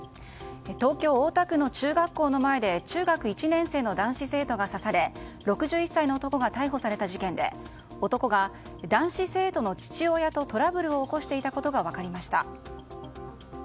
東京・大田区の中学校の前で中学１年生の男子生徒が刺され６１歳の男が逮捕された事件で男が男子生徒の父親とトラブルを起こしていたことが分かりました。